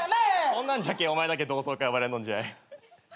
そんなんじゃけえお前だけ同窓会呼ばれんのんじゃい。